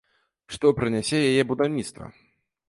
Што прынясе яе будаўніцтва?